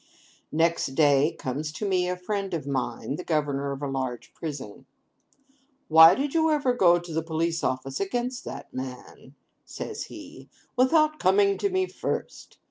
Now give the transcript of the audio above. Next day comes to me a friend of mine, the governor of a large prison. 'Why did you ever go to the Police Office against that man,' says he, 'without coming to me first?